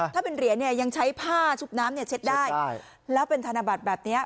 ถ้ามันเหรียญเนี้ยยังใช้ผ้าซุบน้ำเนี้ยเช็กได้เล่าเป็นธนาบัติแบบเนี้ย